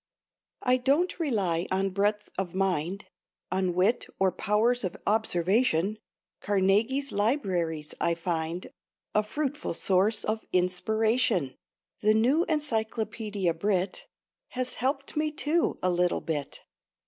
I don't rely on breadth of mind, On wit or pow'rs of observation; Carnegie's libraries I find A fruitful source of inspiration; The new Encyclopædia Brit. Has helped me, too, a little bit.